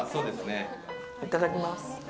いただきます。